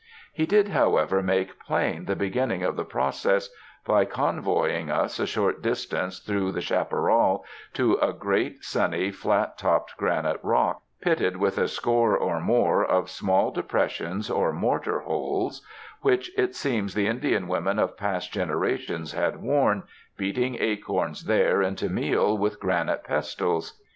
He did, however, make plain the be ginning of the process by convoying us a short dis tance through the chaparral to a great, sunny, flat topped granite rock, pitted with a score or more of small depressions or mortar holes, which it seems the Indian women of past generations had worn, beating acorns there into meal with granite pestles.